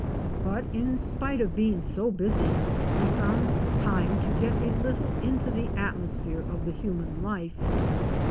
but in spite of being so busy, we found time to get a little into the atmosphere of the human life.